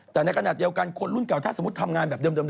แต่ในขณะเดียวกันคนรุ่นเก่าถ้าสมมุติทำงานแบบเดิม